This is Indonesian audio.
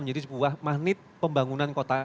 menjadi sebuah magnet pembangunan kota